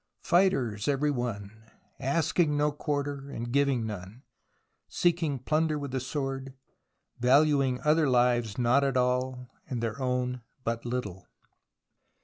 Fighters, every one, asking no quarter, giving none, seeking plunder with the sword, valuing other lives not at all and their own but little.